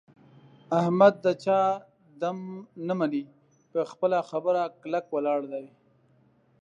احمد د چا دم نه مني. په خپله خبره کلک ولاړ دی.